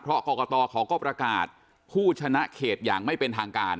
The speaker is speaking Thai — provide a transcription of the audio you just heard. เพราะกรกตเขาก็ประกาศผู้ชนะเขตอย่างไม่เป็นทางการ